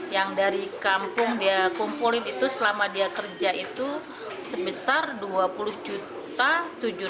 yang dari kampung dia kumpulin itu selama dia kerja itu sebesar dua puluh tujuh ratus